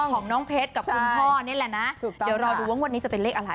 ของน้องเพชรกับคุณพ่อนี่แหละนะถูกต้องเดี๋ยวรอดูว่างวดนี้จะเป็นเลขอะไร